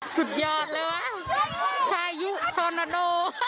สุดยอดเลยวะพายุสอนโนโน